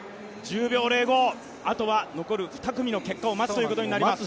１０秒０５、あとは残る２組の結果を待つことになります。